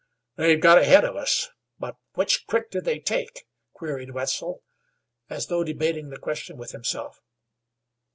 "They've got ahead of us, but which crick did they take?" queried Wetzel, as though debating the question with himself.